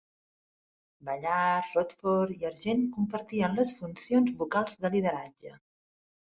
Ballard, Rodford i Argent compartien les funcions vocals de lideratge.